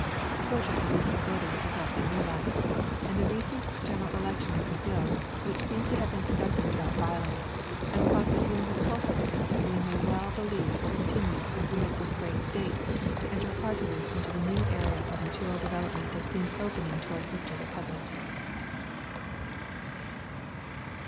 Fortunately these forebodings have The Nicaragua and Panama, Cknah. 37 not been realized, and the recent general election in Bra/.il, Avhich seems to have been conducted without violence, has caused a feeling of confidence that we may well believe will continue and permit this great state to enter heartily into the new era of ma terial development that seems opening to our sister republics.